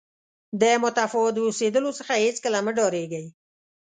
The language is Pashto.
د متفاوت اوسېدلو څخه هېڅکله مه ډارېږئ.